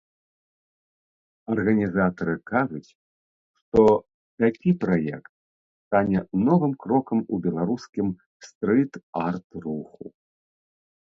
Арганізатары кажуць, што такі праект стане новым крокам у беларускім стрыт-арт руху.